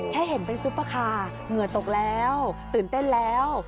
แค่เห็นเป็นซุปเปอร์คาร์เหงื่อตกแล้วตื่นเต้นแล้ว